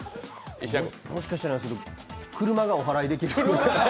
もしかしたら、車がおはらいできる？